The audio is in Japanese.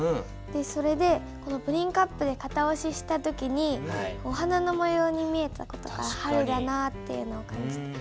それでプリンカップで型おしした時にお花の模様に見えた事から春だなというのを感じて。